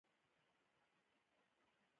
کېله د سترګو دید ته ګټه لري.